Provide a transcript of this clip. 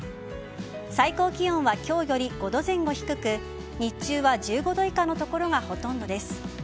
最高気温は今日より５度前後低く日中は１５度以下の所がほとんどです。